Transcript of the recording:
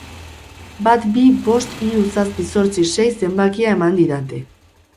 Bat bi bost hiru zazpi zortzi sei zenbakia eman didate.